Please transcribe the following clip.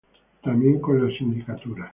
Tambien con la sindicatura.